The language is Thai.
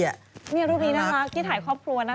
รูปนี้น่ารักที่ถ่ายครอบครัวน่ารักเลย